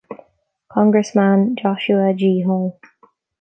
Congressman Joshua G. Hall.